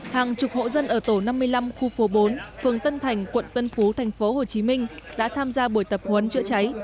hàng chục hộ dân ở tổ năm mươi năm khu phố bốn phường tân thành quận tân phú tp hcm đã tham gia buổi tập huấn chữa cháy